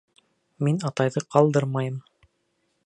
Мин атайҙы ҡалдырмайым.